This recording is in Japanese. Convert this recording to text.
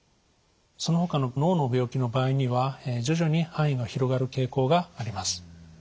そのほかの脳の病気の場合には徐々に範囲が広がる傾向があります。